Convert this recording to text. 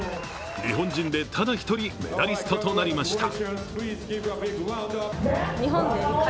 日本人でただ１人、メダリストとなりました。